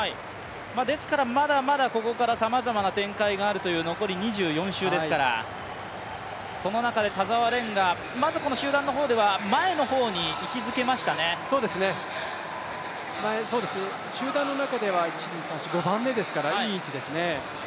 ですからまだまだ、ここからさまざまな展開があるという残り２４周ですからその中で田澤廉がまずこの集団の中では前の方に集団の中では５番目ですからいい位置ですね。